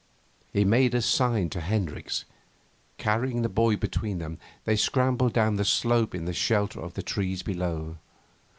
He made a sign to Hendricks. Carrying the boy between them, they scrambled down the slope into the shelter of the trees below.